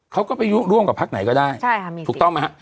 เขาก็ไปยุร่วมกับพักไหนก็ได้ถูกต้องไหมฮะ